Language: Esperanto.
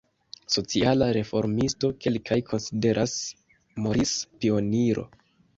Sociala reformisto, kelkaj konsideras Maurice pioniro.